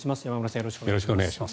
よろしくお願いします。